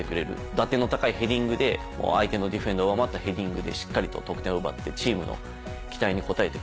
打点の高いヘディングで相手のディフェンダーを上回ったヘディングでしっかりと得点を奪ってチームの期待に応えてくれる。